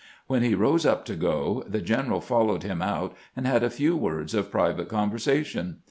When he rose up to go, the general followed him out and had a few words of private conversation.